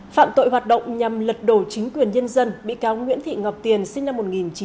phạm tội hoạt động nhằm lật đổ chính quyền nhân dân bị cáo nguyễn thị ngọc tiền sinh năm một nghìn chín trăm tám mươi